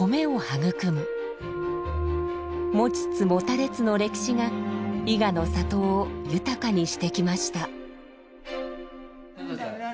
持ちつ持たれつの歴史が伊賀の里を豊かにしてきました。